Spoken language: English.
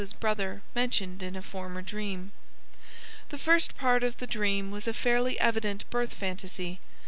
's brother mentioned in a former dream. The first part of the dream was a fairly evident birth phantasy.